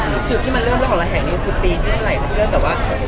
มีจุดที่เริ่มรู้ว่าของเราแห่งนี้คือปีคือเมื่อไหร่